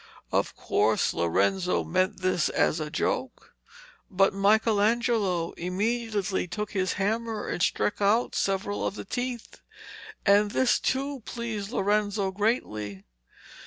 Of course Lorenzo meant this as a joke, but Michelangelo immediately took his hammer and struck out several of the teeth, and this too pleased Lorenzo greatly.